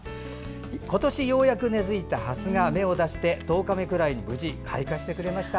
今年ようやく根付いたハスが芽を出して１０日目ぐらいで無事、開花してくれました。